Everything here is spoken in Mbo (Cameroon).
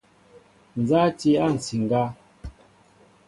Nza a ti a nsiŋga?